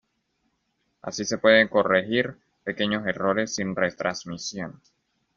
Así se pueden corregir pequeños errores, sin retransmisión.